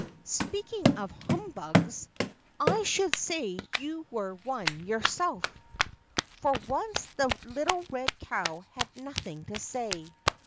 Speaking of humbugs, I should say you were one yourself." For once the little red cow had nothing to say.